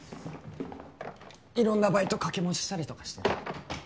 いろんなバイト掛け持ちしたりとかして。